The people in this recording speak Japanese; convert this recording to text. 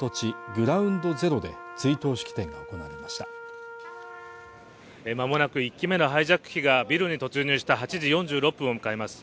グラウンド・ゼロで追悼式典が行われました間もなく１機目のハイジャック機がビルに突入した８時４６分を迎えます